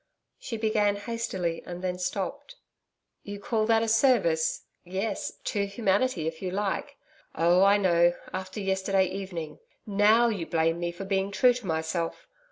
she began hastily and then stopped. 'You call that a service! Yes to humanity, if you like. Oh, I know. After yesterday evening. NOW, you blame me for being true to myself....